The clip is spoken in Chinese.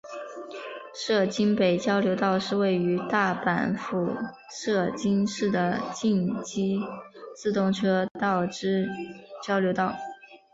摄津北交流道是位于大阪府摄津市的近畿自动车道之交流道。